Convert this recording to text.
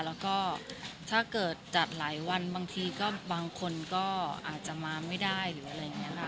แล้วก็ถ้าเกิดจัดหลายวันบางทีก็บางคนก็อาจจะมาไม่ได้หรืออะไรอย่างนี้ค่ะ